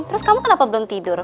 terus kamu kenapa belum tidur